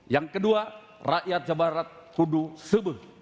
yang kedua rakyat jawa barat kudu sebuh